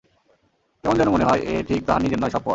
কেমন যেন মনে হয় এ ঠিক তাহার নিজের নয়, সব পর।